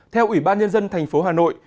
theo ủy ban nhân dân thành phố hà nội